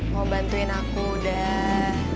mau bantuin aku udah